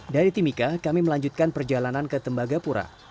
dari timika kami melanjutkan perjalanan ke tembagapura